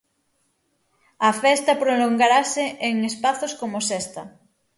A festa prolongarase en espazos como Sesta?